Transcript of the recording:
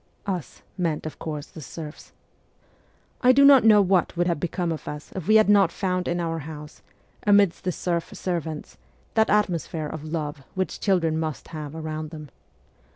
' Us ' meant, of course, the serfs. I do not know what would have become of us if we had not found in our house, amidst the serf servants, that atmosphere of love which children must have around them.